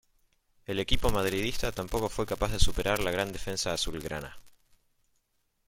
El equipo madridista tampoco fue capaz de superar la gran defensa azulgrana.